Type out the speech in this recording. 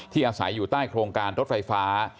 อาศัยอยู่ใต้โครงการรถไฟฟ้า